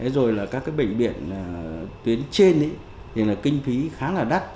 rồi là các cái bệnh viện tuyến trên thì là kinh phí khá là đắt